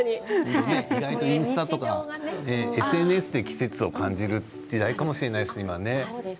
意外とインスタとかＳＮＳで季節を感じる時代かもしれないですね、今はね。